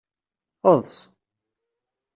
Eḍs.